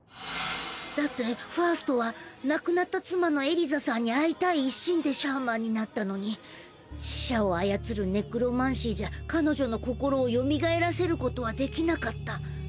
だってファウストは亡くなった妻のエリザさんに会いたい一心でシャーマンになったのに死者を操るネクロマンシーじゃ彼女の心をよみがえらせることはできなかった。